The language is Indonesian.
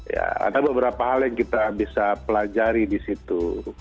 ya ada beberapa hal yang kita bisa pelajari disitu